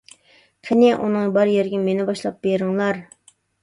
قېنى، ئۇنىڭ بار يېرىگە مېنى باشلاپ بېرىڭلار!